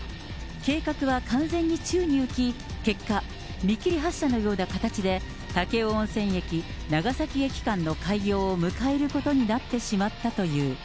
計画は完全に宙に浮き、結果、見切り発車のような形で、武雄温泉駅・長崎駅間の開業を迎えることになってしまったという。